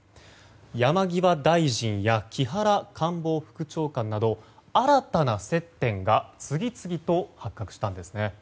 山際大臣や木原官房副長官など新たな接点が次々と発覚したんです。